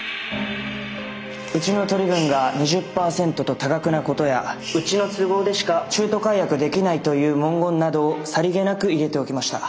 うちの取り分が２０％と多額なことやうちの都合でしか中途解約できないという文言などをさりげなく入れておきました。